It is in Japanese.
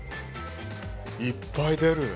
いっぱい出る。